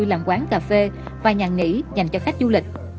làm quán cà phê và nhà nghỉ dành cho khách du lịch